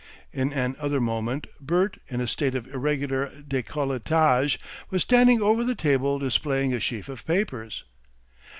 In an other moment Bert, in a state of irregular decolletage, was standing over the table displaying a sheaf of papers.